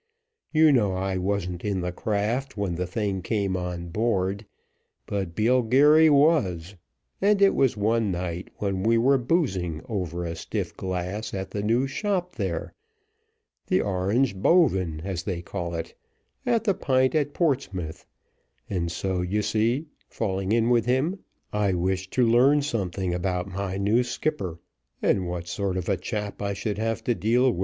You know I wasn't in the craft when the thing came on board, but Joe Geary was, and it was one night when we were boozing over a stiff glass at the new shop there, the Orange Boven, as they call it, at the Pint at Portsmouth and so you see, falling in with him, I wished to learn something about my new skipper, and what sort of a chap I should have to deal with.